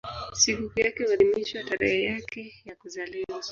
Sikukuu yake huadhimishwa tarehe yake ya kuzaliwa.